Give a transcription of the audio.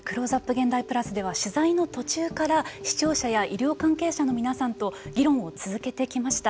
現代＋では取材の途中から視聴者や医療関係者の皆さんと議論を続けてきました。